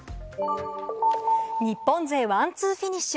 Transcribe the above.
日本勢ワンツーフィニッシュ！